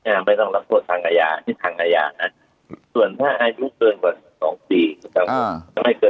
อ่าไม่ต้องรับโทษทางอาญานี่ทางอาญาน่ะส่วนถ้าอย่างนุ่งเกินกว่า๑๒ปี